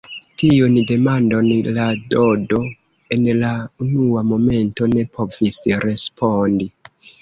Tiun demandon la Dodo en la unua momento ne povis respondi.